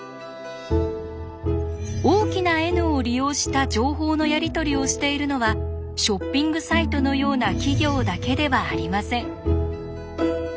大きなＮを利用した情報のやり取りをしているのはショッピングサイトのような企業だけではありません。